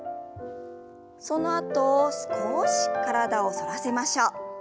そのあと少し体を反らせましょう。